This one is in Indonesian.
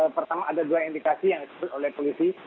pertama ada dua indikasi yang disebut oleh polisi